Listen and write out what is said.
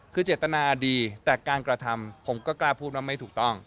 คือเจตนาดีแต่การกระทำผมก็กล้าพูดว่าไม่ถูกต้อง